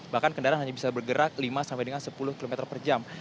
bahkan kendaraan hanya bisa bergerak lima sampai dengan sepuluh km per jam